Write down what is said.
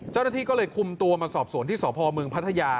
เจ้าหน้าที่ก็เลยคุมตัวมาซอบสวนที่ดเงี่ยในศาลพอร์เมืองปัทยา